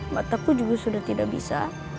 mataku juga sudah tidak bisa